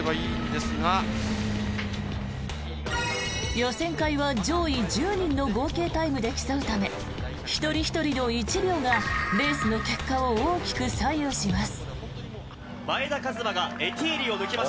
予選会は上位１０人の合計タイムで競うため一人ひとりの１秒がレースの結果を大きく左右します。